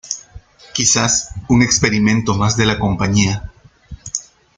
Quizás un experimento más de la compañía.